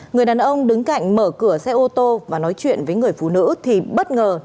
người đàn ông đứng cạnh mở cửa xe ô tô và nói chuyện với người phụ nữ thì bất ngờ